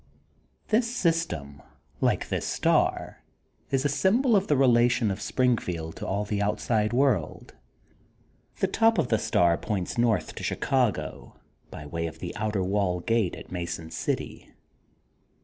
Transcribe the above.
This system, like this star, is a symbol of the relation of Springfield to all the outside world. The top of the star points north to Chicago by way of the outer wall gate at Mason City.